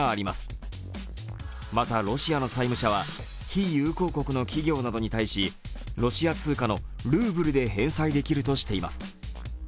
またロシアの債務者は非友好国の企業などに対しロシア通貨のルーブルで返済できるとしています。